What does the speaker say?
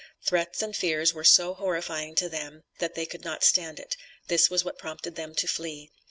Threats and fears were so horrifying to them, that they could not stand it; this was what prompted them to flee.